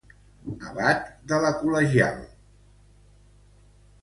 Abat de la col·legial de Jerez.